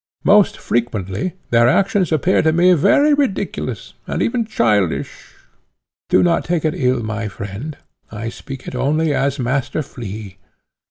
Most frequently their actions appear to me very ridiculous, and even childish. Do not take it ill, my friend; I speak it only as Master Flea.